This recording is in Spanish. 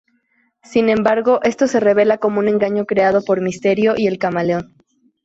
Sin embargo, esto se revela como un engaño creado por Mysterio y el Camaleón.